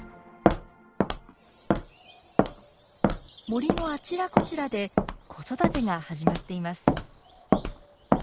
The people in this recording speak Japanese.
森のあちらこちらで子育てが始まっています。